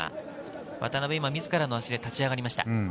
渡邊、今、自らの足で立ち上がりました。